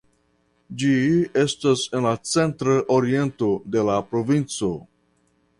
Ĝi estas en la centra oriento de la provinco.